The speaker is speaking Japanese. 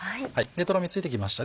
とろみついてきました